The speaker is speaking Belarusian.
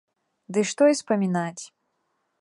Ды што і спамінаць!